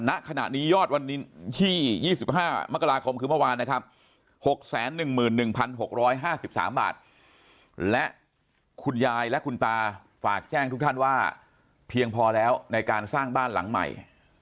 ณขณะนี้ยอดวันนี้๒๕มกราคมคือเมื่อวานนะครับ๖๑๑๖๕๓บาทและคุณยายและคุณตาฝากแจ้งทุกท่านว่าเพียงพอแล้วในการสร้างบ้านหลังใหม่